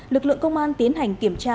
lực lượng công an tiến hành kiểm tra